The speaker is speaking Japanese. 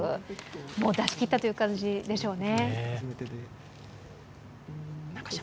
もう出し切ったという感じでしょうね。